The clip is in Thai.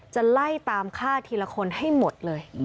จะไล่ตามฆ่าทีละคนให้หมดเลย